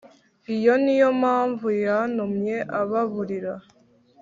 iyo niyo mpamvu yatumye ababurira